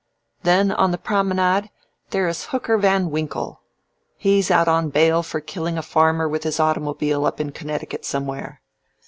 "Then on the promenade, there is Hooker Van Winkle. He's out on bail for killing a farmer with his automobile up in Connecticut somewhere.